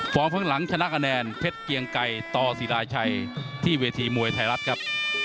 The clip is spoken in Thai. ข้างหลังชนะคะแนนเพชรเกียงไก่ต่อศิราชัยที่เวทีมวยไทยรัฐครับ